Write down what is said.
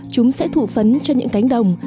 chúng sẽ thủ phấn cho những cánh đồng